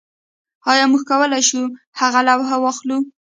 ایا موږ کولی شو هغه لوحه واخلو